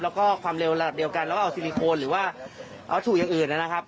แล้วก็ความเร็วระดับเดียวกันแล้วก็เอาซิลิโคนหรือว่าเอาถูกอย่างอื่นนะครับ